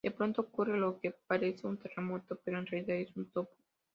De pronto, ocurre lo que parece un terremoto, pero en realidad es un topo.